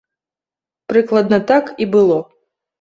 Прыкладна так і было.